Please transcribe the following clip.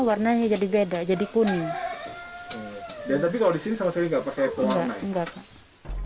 warnanya jadi beda jadi kuning dan tapi kalau di sini sama sekali enggak pakai kuah enggak